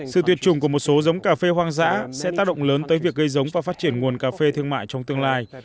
sự tuyệt chủng của một số giống cà phê hoang dã sẽ tác động lớn tới việc gây giống và phát triển nguồn cà phê thương mại trong tương lai